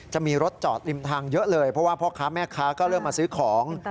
จะมีรถจอดริมทางเยอะเลยเพราะว่าพ่อค้าแม่ค้าก็เริ่มมาซื้อของ